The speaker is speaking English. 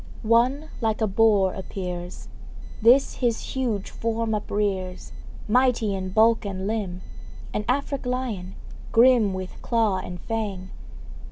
One like a boar appears; This his huge form uprears, Mighty in bulk and limb An Afric lion grim With claw and fang.